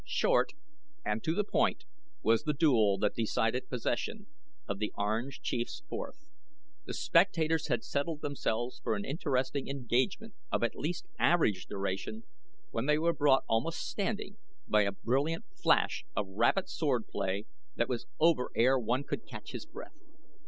Short and to the point was the duel that decided possession of the Orange Chief's fourth. The spectators had settled themselves for an interesting engagement of at least average duration when they were brought almost standing by a brilliant flash of rapid swordplay that was over ere one could catch his breath.